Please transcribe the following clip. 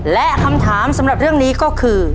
และคำถามสำหรับเรื่องนี้ก็คือ